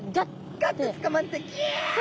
ガッてつかまれてギャッ！